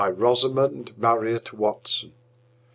Rosamund Marriott Watson b.